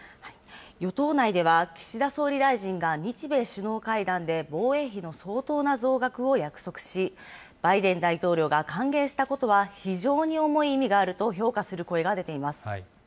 与党内では岸田総理大臣が日米首脳会談で防衛費の相当な増額を約束し、バイデン大統領が歓迎したことは非常に重い意味があると評価する声が出ています。